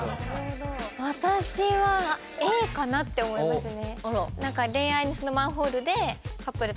私はＡかなって思いましたね。